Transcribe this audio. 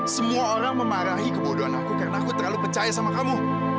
semua orang memarahi kebodohan aku karena aku terlalu percaya sama kamu